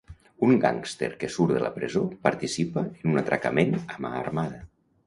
Un gàngster que surt de la presó, participa en un atracament a mà armada.